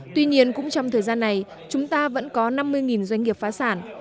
tuy nhiên cũng trong thời gian này chúng ta vẫn có năm mươi doanh nghiệp phá sản